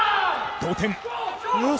同点。